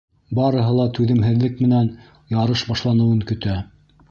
Барыһы ла түҙемһеҙлек менән ярыш башланыуын көтә.